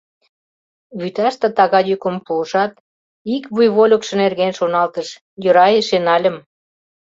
Вӱташте тага йӱкым пуышат, ик вуй вольыкшо нерген шоналтыш: «Йӧра эше нальым.